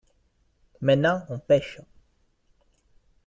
Maintenant on pêche.